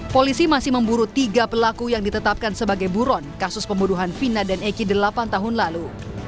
polisi masih memburu tiga pelaku yang ditetapkan sebagai buron kasus pembunuhan vina dan eki delapan tahun lalu